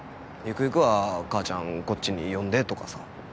ゆくゆくは母ちゃんこっちに呼んでとかさ。